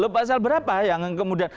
pasal berapa yang kemudian